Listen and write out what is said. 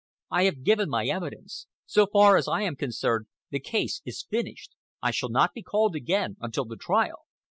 I have given my evidence. So far as I am concerned, the case is finished. I shall not be called again until the trial."